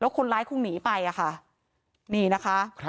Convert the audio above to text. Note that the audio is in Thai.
แล้วคนร้ายคงหนีไปอ่ะค่ะนี่นะคะครับ